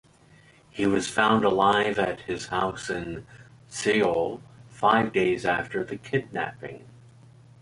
He was found alive at his house in Seoul five days after the kidnapping.